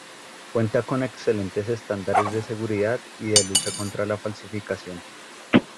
Cuenta con excelentes estándares de seguridad y de lucha contra la falsificación.